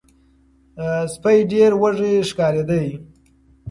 سپی ډیر وږی ښکاریده.